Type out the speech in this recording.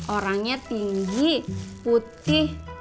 orangnya tinggi putih